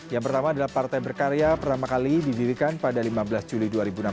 yang pertama adalah partai berkarya pertama kali didirikan pada lima belas juli dua ribu enam belas